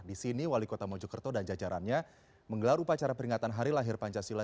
di sini wali kota mojokerto dan jajarannya menggelar upacara peringatan hari lahir pancasila